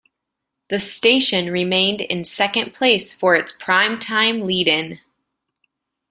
The station remained in second place for its prime-time lead-in.